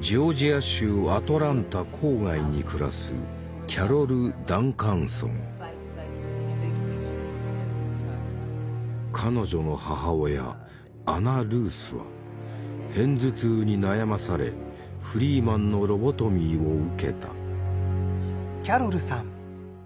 ジョージア州アトランタ郊外に暮らす彼女の母親アナ・ルースは偏頭痛に悩まされフリーマンのロボトミーを受けた。